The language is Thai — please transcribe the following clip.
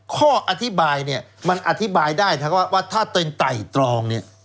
ข้ออธิบายเนี่ยมันอธิบายได้ว่าถ้าตัวเองไต่ตรองเนี่ย